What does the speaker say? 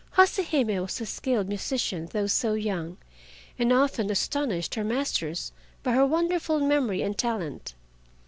Hase Hime was a skilled musician though so young, and often astonished her masters by her wonderful memory and talent.